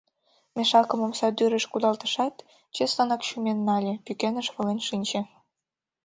Мешакым омсадӱрыш кудалтышат, чеслынак чумен нале, пӱкеныш волен шинче.